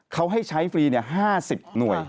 เขาให้ใช้ฟรี๕๐หน่วย